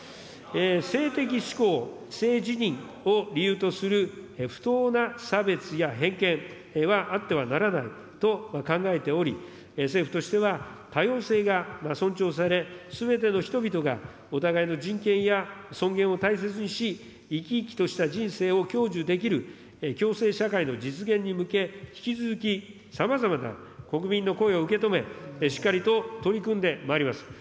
性的指向、性自認を理由とする不当な差別や偏見はあってはならないと考えており、政府としては多様性が尊重され、すべての人々がお互いの人権や尊厳を大切にし、生き生きとした人生を享受できる共生社会の実現に向け、引き続きさまざまな国民の声を受け止め、しっかりと取り組んでまいります。